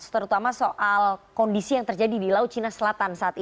terutama soal kondisi yang terjadi di laut cina selatan saat ini